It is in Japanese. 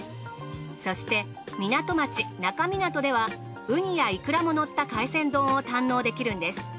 そして港町那珂湊ではウニやイクラものった海鮮丼を堪能できるんです。